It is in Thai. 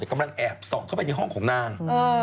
กำลังแอบส่องเข้าไปในห้องของนาง